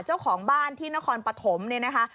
เจ้าของบ้านที่นครปฐมเนี่ยนะคะ